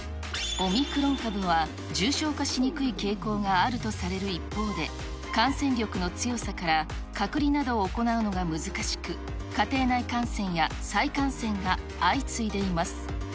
オミクロン株は重症化しにくい傾向があるとされる一方で、感染力の強さから隔離などを行うのが難しく、家庭内感染や再感染が相次いでいます。